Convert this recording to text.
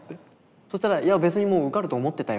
そしたら「いや別にもう受かると思ってたよ」